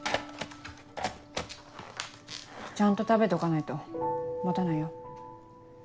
ちゃんと食べとかないと持たないよ。